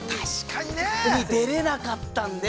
◆に、出れなかったんで。